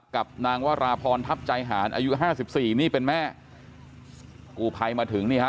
กับนางวราพรทัพใจหารอายุห้าสิบสี่นี่เป็นแม่กูภัยมาถึงนี่ฮะ